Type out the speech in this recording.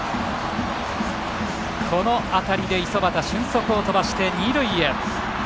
この当たりで五十幡俊足を飛ばして二塁へ。